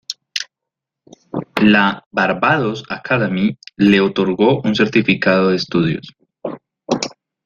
La "Barbados Academy", le otorgó un certificado de estudios.